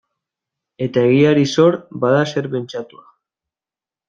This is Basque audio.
Eta egiari zor, bada zer pentsatua.